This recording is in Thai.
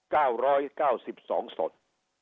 เก้าร้อยเก้าสิบสองศพ